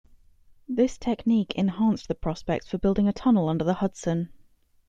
This technique enhanced the prospects for building a tunnel under the Hudson.